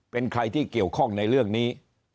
เป็นใครที่เกี่ยวข้องในเรื่องนี้